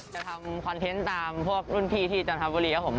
จะทำคอนเทนต์ตามพวกรุ่นพี่ที่จันทบุรีครับผม